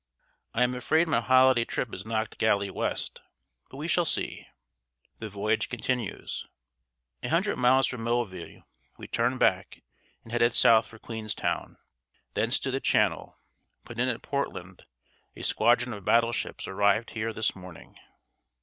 I am afraid my holiday trip is knocked galley west; but we shall see." The voyage continues. A "hundred miles from Moville we turned back, and headed South for Queenstown; thence to the Channel; put in at Portland; a squadron of battleships; arrived here this morning."